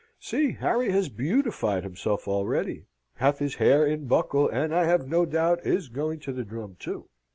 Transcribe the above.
"See, Harry has beautified himself already, hath his hair in buckle, and I have no doubt is going to the drum too."